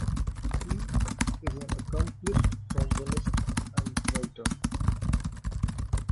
He is an accomplished trombonist and writer.